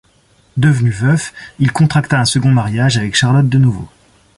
Devenu veuf, il contracta un second mariage avec Charlotte de Nouveau.